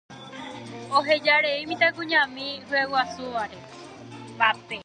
Ohejarei mitãkuñami hyeguasúvape.